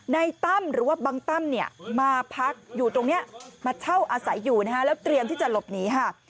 ตั้มหรือว่าบังตั้มเนี่ยมาพักอยู่ตรงนี้มาเช่าอาศัยอยู่นะฮะแล้วเตรียมที่จะหลบหนีค่ะ